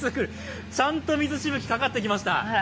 ちゃんと水しぶき、かかってきました。